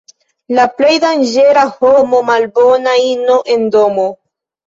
La plej danĝera homo — malbona ino en domo.